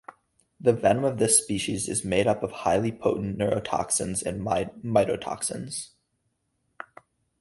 The venom of this species is made up of highly potent neurotoxins and myotoxins.